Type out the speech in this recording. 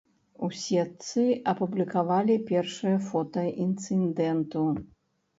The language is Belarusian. У сетцы апублікавалі першыя фота інцыдэнту.